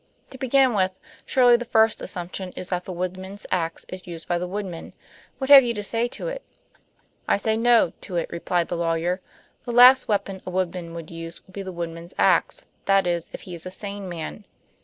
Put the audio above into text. To begin with, surely the first assumption is that the woodman's ax is used by the Woodman. What have you to say to it?" "I say 'No' to it," replied the lawyer. "The last weapon a woodman would use would be a woodman's ax; that is if he is a sane man."